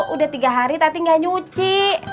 udah tiga hari tadi gak nyuci